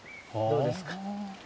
どうです